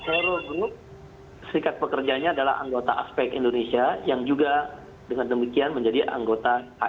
vero group serikat pekerjanya adalah anggota aspek indonesia yang juga dengan demikian menjadi anggota